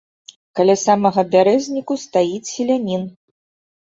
Каля самага бярэзніку стаіць селянін.